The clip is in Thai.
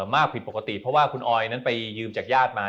ผิดปกติเพราะว่าคุณออยนั้นไปยืมจากญาติมา